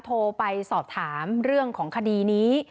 โทรไปสอบถามเรื่องของคดีนี้